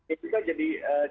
itu juga jadi